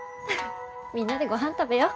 みんなでごはん食べよう。